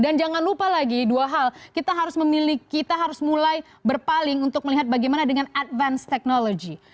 dan jangan lupa lagi dua hal kita harus memilih kita harus mulai berpaling untuk melihat bagaimana dengan advance technology